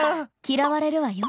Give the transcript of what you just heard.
嫌われるわよ。